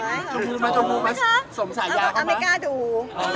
อ้ามก็คุยก่อนไม่กล้าดู